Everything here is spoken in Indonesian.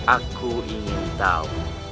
aku ingin tahu